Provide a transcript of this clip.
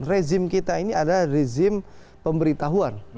rezim kita ini ada rezim pemberitahuan